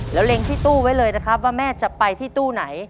แล้วเล็งที่ตู้ไว้เลยนะครับว่าแม่จะไปที่ตู้ไหน